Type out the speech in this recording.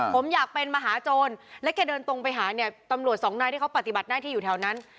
ผมอยากเป็นมหาโจรและแกเดินตรงไปหาเนี่ยตำรวจสองนายที่เขาปฏิบัติหน้าที่อยู่แถวนั้น